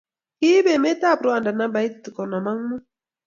Kiib emetab Rwanda nambait konom ak mut,